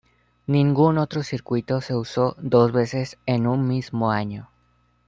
Ningún otro circuito se usó dos veces en un mismo año.